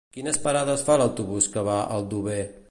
Quines parades fa l'autobús que va a Aldover?